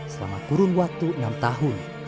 selama kurun waktu enam tahun